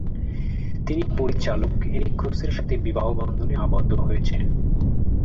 তিনি পরিচালক এলি ক্রসের সাথে বিবাহবন্ধনে আবদ্ধ হয়েছেন।